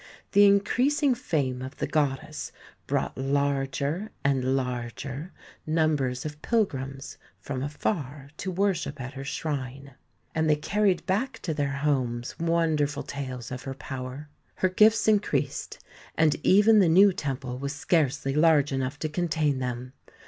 The increasing fame of the goddess brought larger and larger numbers of pilgrims from afar to worship at her shrine, and they carried back to their homes wonderful tales of her power. Her gifts increased, and even the new temple was scarcely large enough to contain them.